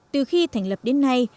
từ khi thành lập đến nay